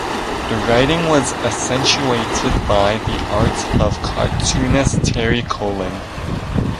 The writing was accentuated by the art of cartoonist Terry Colon.